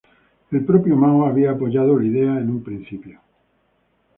El propio Mao había apoyado la idea en un principio.